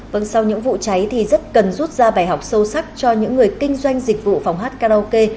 vâng sau những vụ cháy thì rất cần rút ra bài học sâu sắc cho những người kinh doanh dịch vụ phòng hát karaoke